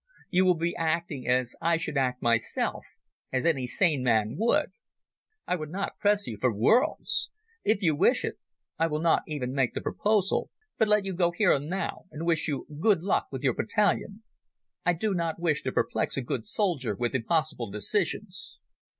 You will be acting as I should act myself—as any sane man would. I would not press you for worlds. If you wish it, I will not even make the proposal, but let you go here and now, and wish you good luck with your battalion. I do not wish to perplex a good soldier with impossible decisions."